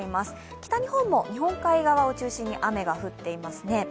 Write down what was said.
北日本も日本海側を中心に雨が降っていますね。